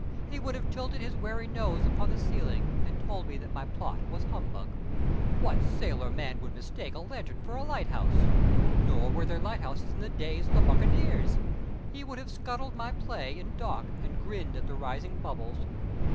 He would have tilted his wary nose upon the ceiling and told me that my plot was humbug. What sailorman would mistake a lantern for a lighthouse? Nor were there lighthouses in the days of the buccaneers. He would have scuttled my play in dock and grinned at the rising bubbles.